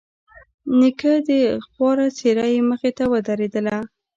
د نيکه خواره څېره يې مخې ته ودرېدله.